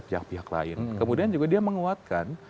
pihak pihak lain kemudian juga dia menguatkan